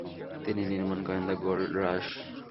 তিনি নির্মাণ করেন দ্য গোল্ড রাশ।